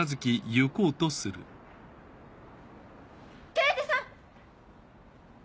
刑事さん！